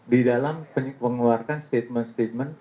di dalam mengeluarkan statement statement